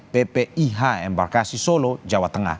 ppih embarkasi solo jawa tengah